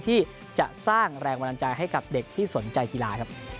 ที่จะสร้างแรงวันลังจาให้กับเด็กที่สนใจกีฬา